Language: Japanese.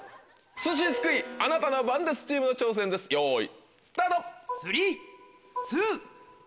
寿司すくいあなたの番ですチームの挑戦です用意スタート！